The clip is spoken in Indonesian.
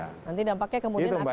nanti dampaknya kemudian akan